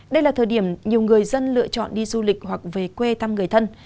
đây là thời điểm nhiều người dân lựa chọn đi du lịch hoặc về quê thăm người thân